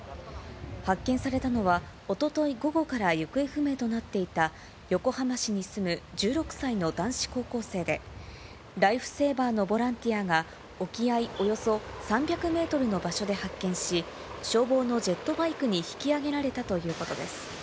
発見されたのは、おととい午後から行方不明となっていた横浜市に住む１６歳の男子高校生で、ライフセーバーのボランティアが、沖合およそ３００メートルの場所で発見し、消防のジェットバイクに引き上げられたということです。